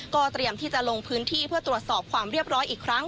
เตรียมที่จะลงพื้นที่เพื่อตรวจสอบความเรียบร้อยอีกครั้ง